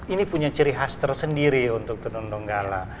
ini punya ciri khas tersendiri untuk tiong tonggala